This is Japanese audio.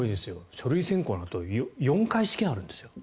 書類選考のあと４回試験があるんですよ。